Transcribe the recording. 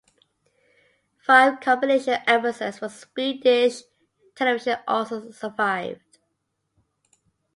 Five compilation episodes for Swedish television also survived.